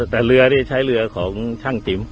แต่เรือนี่ใช้เรือของช่างติ๋ม